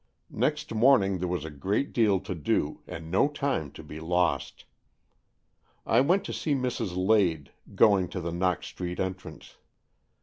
Next morning there was a great deal to do, and no time to be lost. I went to see Mrs. Lade, going to the Knox Street entrance.